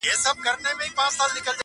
اوس چي پر پردي ولات ښخېږم ته به نه ژاړې٫